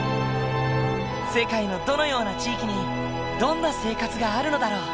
世界のどのような地域にどんな生活があるのだろう？